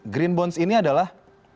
green bonds ini adalah